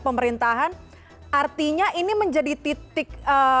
pemerintahan artinya ini menjadi titik